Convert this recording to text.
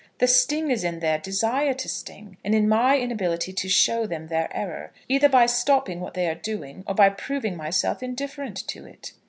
The sting is in their desire to sting, and in my inability to show them their error, either by stopping what they are doing, or by proving myself indifferent to it.